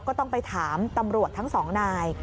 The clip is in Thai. ก็ต้องไปถามตำรวจทั้งสองนาย